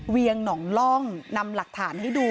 เวียงหนองล่องนำหลักฐานให้ดู